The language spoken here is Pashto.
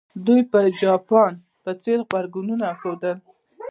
دوی د جاپان په څېر غبرګون وښود.